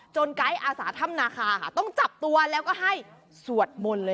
จนไกรอศาท่ำนาคาต้องจับตัวแล้วก็ให้สวดมนตร์เลย